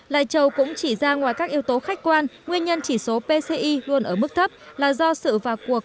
lai châu cũng chỉ ra ngoài các yếu tố khách quan nguyên nhân chỉ số pci luôn ở mức thấp là do sự vào cuộc